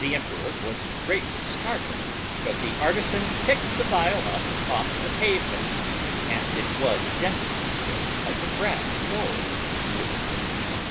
The Emperor was greatly startled, but the artisan picked the vial up off the pavement, and it was dented, just like a brass bowl would have been!